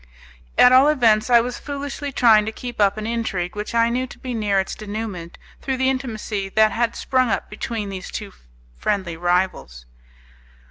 At all events, I was foolishly trying to keep up an intrigue which I knew to be near its denouement through the intimacy that had sprung up between these two friendly rivals.